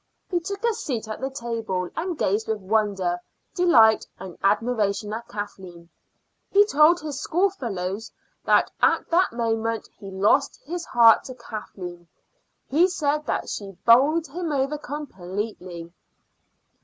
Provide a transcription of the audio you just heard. He took a seat at the table, and gazed with wonder, delight, and admiration at Kathleen. He told his schoolfellows that at that moment he lost his heart to Kathleen. He said that she bowled him over completely.